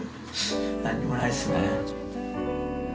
何もないですね。